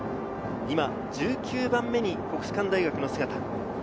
１９番目に国士舘大学の姿。